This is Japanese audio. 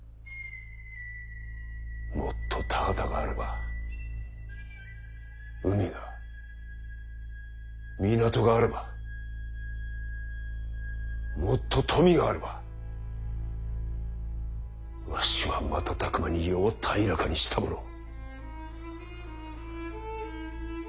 もっと田畑があれば海が港があればもっと富があればわしは瞬く間に世を平らかにしたものを。